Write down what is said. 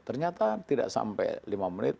ternyata tidak sampai lima menit